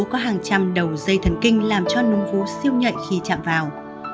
núm vú có hàng trăm đầu dây thần kinh làm cho núm vú siêu nhạy khi chạm vào